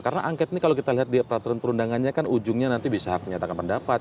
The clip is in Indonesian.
karena angket ini kalau kita lihat di peraturan perundangannya kan ujungnya nanti bisa menyatakan pendapat